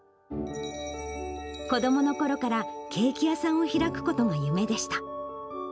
子どものころからケーキ屋さんを開くことが夢でした。